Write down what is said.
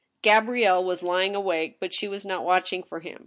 Gabrielle was lying awake, but she was not watching for him.